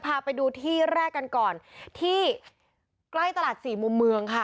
พาไปดูที่แรกกันก่อนที่ใกล้ตลาดสี่มุมเมืองค่ะ